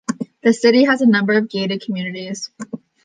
The city has a number of gated communities.